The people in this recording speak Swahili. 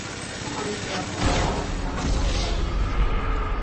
Kama mchezaji bora wa mashindano hayo ya duina nzima